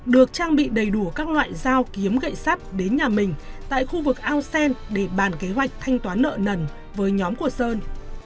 được trang bị đầy đủ các loại dao kiếm gậy sắt đến nhà mình tại khu vực ao sen để bàn kế hoạch thanh toán nợ nần với nhóm của sơn